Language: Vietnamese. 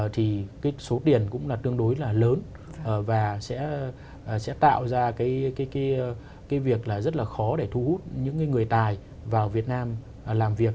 thì cái số tiền cũng là tương đối là lớn và sẽ tạo ra cái việc là rất là khó để thu hút những cái người tài vào việt nam làm việc